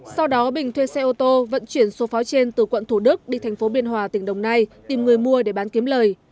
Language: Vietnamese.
sau đó bình thuê xe ô tô vận chuyển số pháo trên từ quận thủ đức đi thành phố biên hòa tỉnh đồng nai tìm người mua để bán kiếm lời